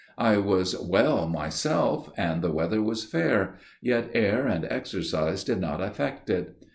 I was well myself, and the weather was fair; yet air and exercise did not affect it.